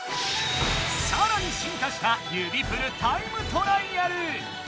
さらに進化した指プルタイムトライアル！